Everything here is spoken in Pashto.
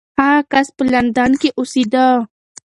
هغه کس په لندن کې اوسېده.